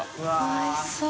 おいしそう。